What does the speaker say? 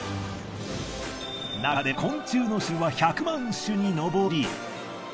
なかでも昆虫の種類は１００万種にのぼり。